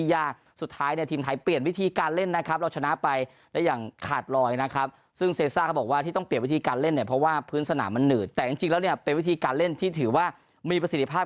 ว่าที่ต้องเปลี่ยนวิธีการเล่นเนี่ยเพราะว่าพื้นสนามมันหนืดแต่จริงจริงแล้วเนี่ยเป็นวิธีการเล่นที่ถือว่ามีประสิทธิภาพ